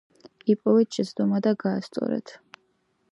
იპოვეთ შეცდომა და გაასწორეთ.